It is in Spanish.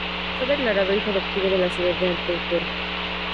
Fue declarado hijo adoptivo de la ciudad de Antequera.